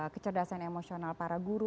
kecerdasan emosional para guru